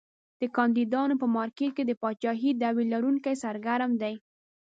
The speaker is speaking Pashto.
د کاندیدانو په مارکېټ کې د پاچاهۍ دعوی لرونکي سرګرم دي.